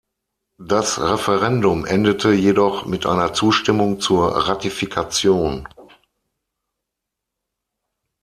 Das Referendum endete jedoch mit einer Zustimmung zur Ratifikation.